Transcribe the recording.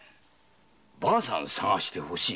婆さん捜してほしい？